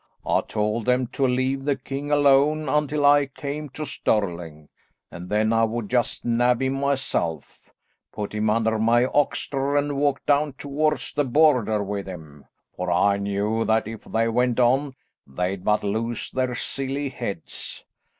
I told them to leave the king alone until I came to Stirling, and then I would just nab him myself, put him under my oxter and walk down towards the Border with him, for I knew that if they went on they'd but lose their silly heads.